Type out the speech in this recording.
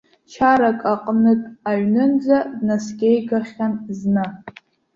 Чарак аҟнытә аҩнынӡа днаскьеигахьан зны.